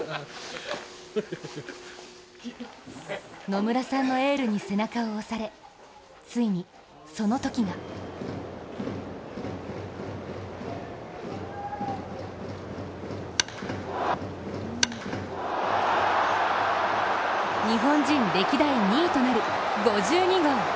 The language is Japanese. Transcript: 野村さんのエールに背中を押され、ついにそのときが日本人歴代２位となる、５２号！